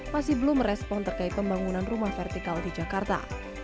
masih belum merespon terkait pembangunan rumah vertikal di jakarta